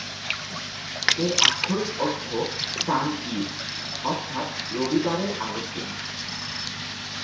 এর আক্ষরিক অর্থ "সান ইভ", অর্থাৎ "রবিবারের আগের দিন"।